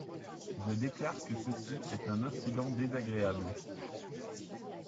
Je déclare que ceci est un incident désagréable.